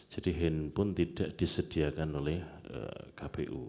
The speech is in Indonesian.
jadi handphone tidak disediakan oleh kpu